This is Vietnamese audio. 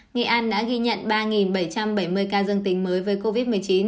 nghệ an đã ghi nhận ba bảy trăm bảy mươi ca dân tình mới với covid một mươi chín